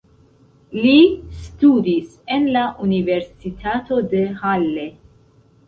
Li studis en la Universitato de Halle.